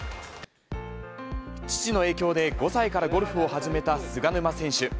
父の影響で５歳からゴルフを始めた菅沼選手。